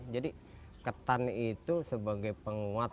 jadi ketan itu sebagai penguat